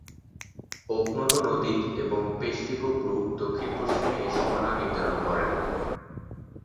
ওকনটো নদী এবং Peshtigo brook দক্ষিণ-পশ্চিমে এর সীমানা নির্ধারণ করে।